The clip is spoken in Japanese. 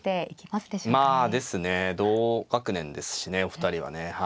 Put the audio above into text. まあですね同学年ですしねお二人はね。